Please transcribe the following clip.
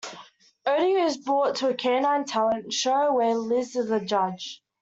Odie is brought to a canine talent show, where Liz is a judge.